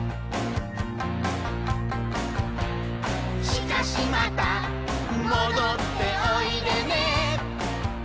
「しかしまたもどっておいでね」